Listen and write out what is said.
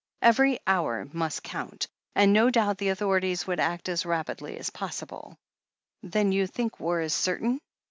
Every hour must cotmt, and no doubt the authorities would act as rapidly as possible. "Then you think war is certain?"